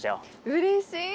うれしい！